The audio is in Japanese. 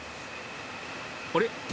あれ？